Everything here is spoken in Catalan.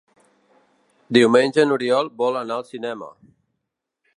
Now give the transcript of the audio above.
Diumenge n'Oriol vol anar al cinema.